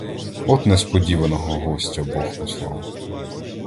От несподіваного гостя бог послав!